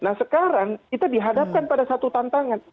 nah sekarang kita dihadapkan pada satu tantangan